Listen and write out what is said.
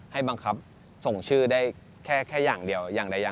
ให้บังคับส่งชื่อได้แค่อย่างเดียว